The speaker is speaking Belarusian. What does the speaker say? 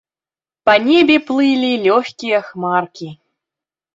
Па небе плылі лёгкія хмаркі.